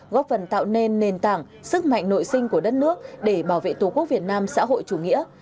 góp phần tạo nên nền tảng sức mạnh nội sinh của đất nước để bảo vệ tổ quốc việt nam xã hội chủ nghĩa